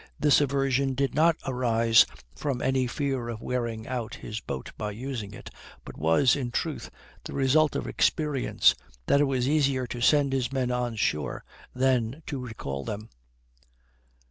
This aversion did not arise from any fear of wearing out his boat by using it, but was, in truth, the result of experience, that it was easier to send his men on shore than to recall them.